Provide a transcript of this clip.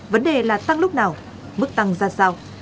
vấn đề là tăng lúc nào mức tăng ra sao